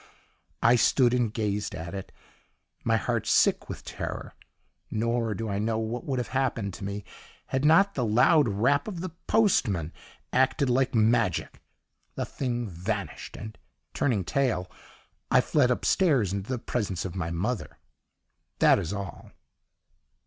"I stood and gazed at it, my heart sick with terror, nor do I know what would have happened to me had not the loud rap of the postman acted like magic; the THING vanished, and 'turning tail,' I fled upstairs into the presence of my mother. That is all."